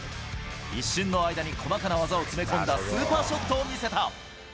一瞬の間に細かな技を詰め込んだスーパーショットを見せた。